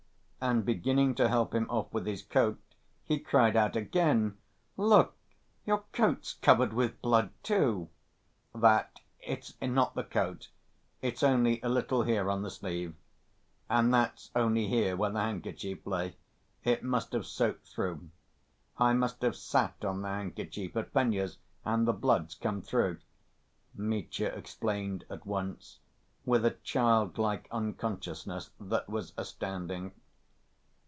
And beginning to help him off with his coat, he cried out again: "Look, your coat's covered with blood, too!" "That ... it's not the coat. It's only a little here on the sleeve.... And that's only here where the handkerchief lay. It must have soaked through. I must have sat on the handkerchief at Fenya's, and the blood's come through," Mitya explained at once with a childlike unconsciousness that was astounding.